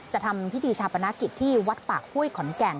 ทำพิธีชาปนกิจที่วัดปากห้วยขอนแก่น